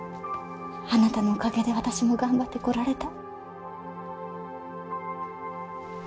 あなたのおかげで私も頑張ってこられた。